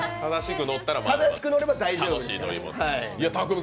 正しく乗れば大丈夫です。